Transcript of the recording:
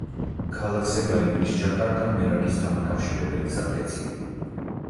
ქალაქზე გაივლის ჯაკარტა–მერაკის დამაკავშირებელი გზატკეცილი.